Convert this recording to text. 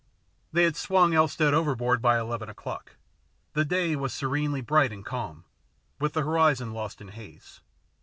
They had swung Elstead overboard by eleven o'clock. The day was serenely bright and calm, with the horizon lost in haze.